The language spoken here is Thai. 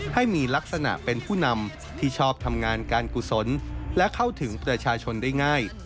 ให้มีลักษณะเป็นผู้นำที่ชอบทำงานการกุศลและเข้าถึงประชาชนได้ง่าย